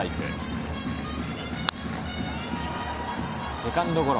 セカンドゴロ。